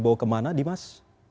dibawa kemana dimas